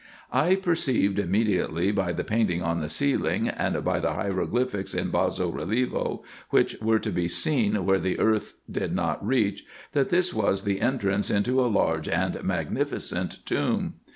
I perceived immediately hy the painting on the ceiling, and by the hieroglyphics in basso relievo, which were to be seen where the earth did not reach, that this was the entrance into a large and magnificent tomb.